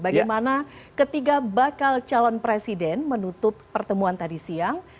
bagaimana ketiga bakal calon presiden menutup pertemuan tadi siang